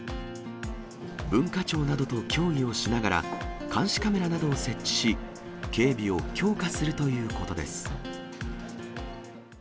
文化庁などと協議をしながら、監視カメラなどを設置し、警備を強化するということです。